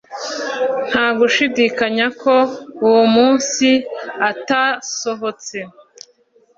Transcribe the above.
Nta gushidikanya ko uwo munsi atasohotse